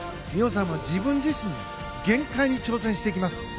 美帆さんも自分自身の限界に挑戦します。